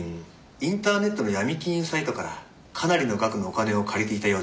インターネットのヤミ金融サイトからかなりの額のお金を借りていたようでして。